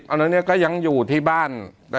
อันนั้นก็ยังอยู่ที่บ้าน